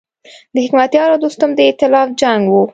د حکمتیار او دوستم د ایتلاف جنګ و.